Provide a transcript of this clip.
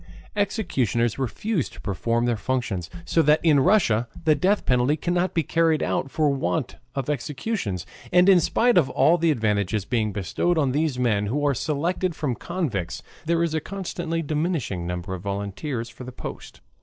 Executioners refuse to perform their functions, so that in Russia the death penalty cannot be carried out for want of executioners. And in spite of all the advantages bestowed on these men, who are selected from convicts, there is a constantly diminishing number of volunteers for the post.